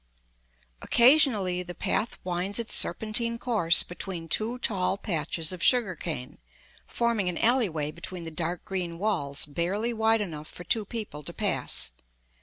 Occasionally the path winds its serpentine course between two tall patches of sugar cane, forming an alleyway between the dark green walls barely wide enough for two people to pass.